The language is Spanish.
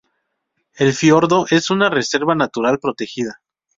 El fiordo es una reserva natural protegida.